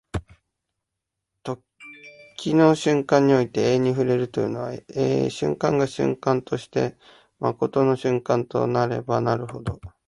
時の瞬間において永遠に触れるというのは、瞬間が瞬間として真の瞬間となればなるほど、